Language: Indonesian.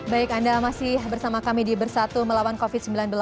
baik anda masih bersama kami di bersatu melawan covid sembilan belas